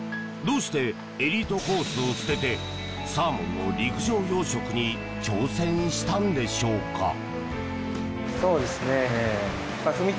どうしてエリートコースを捨ててサーモンの陸上養殖に挑戦したのでしょうか？